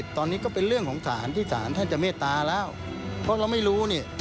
ตอนนี้ก็เป็นเรื่องของศาลที่ศาลท่านจะเมตตาแล้วเพราะเราไม่รู้เนี่ย